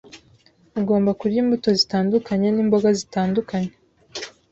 Ugomba kurya imbuto zitandukanye n'imboga zitandukanye.